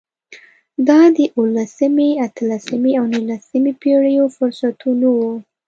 دا د اولسمې، اتلسمې او نولسمې پېړیو فرصتونه وو.